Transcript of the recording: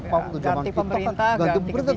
ganti pemerintah ganti kebijakan